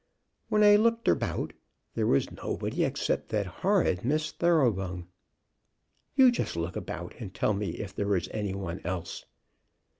When I looked about there was nobody except that horrid Miss Thoroughbung. You just look about and tell me if there was any one else.